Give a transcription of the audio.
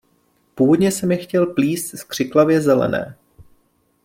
Původně jsem je chtěl plíst z křiklavě zelené.